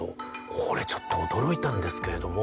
これちょっと驚いたんですけれども。